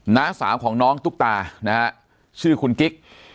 น้าสาวของน้องตุ๊กตานะฮะชื่อคุณกิ๊ก